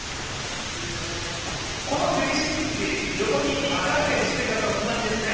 この３６０、横に一回転してからのつなぎですね。